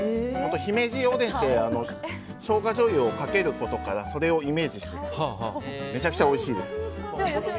姫路おでんってショウガじょうゆをかけることからそれをイメージして作っていてめちゃくちゃおいしいです。